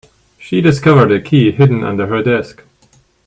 She discovered a key hidden under her desk.